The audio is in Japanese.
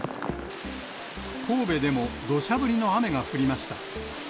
神戸でもどしゃ降りの雨が降りました。